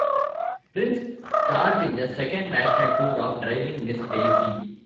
Prinz starred in the Second National Tour of "Driving Miss Daisy".